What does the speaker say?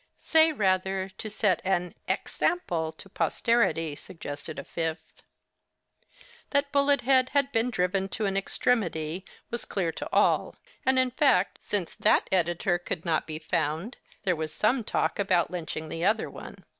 'Say, rather, to set an X ample to posterity,' suggested a fifth. That Bullet head had been driven to an extremity, was clear to all; and in fact, since that editor could not be found, there was some talk about lynching the other one.